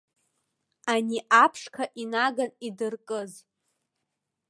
Ани аԥшқа инаган идыркыз?!